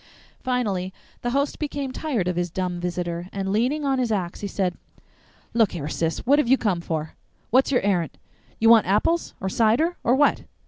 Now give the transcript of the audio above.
Finally, the host became tired of his dumb visitor, and leaning on his axe he said, "Look here, Sis, what have you come for? What's your errant? Do you want apples? Or cider? Or what?